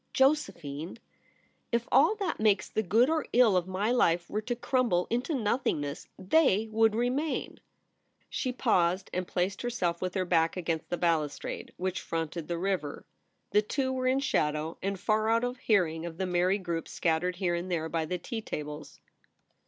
'Josephine !'* If all that makes the good or ill of my life were to crumble into nothingness t/iey would remain. ...' She paused and placed ON THE TERRACE. 49 herself with her back against the balustrade which fronted the river. The two were in shadow, and far out of hearing of the merry groups scattered here and there by the tea tables.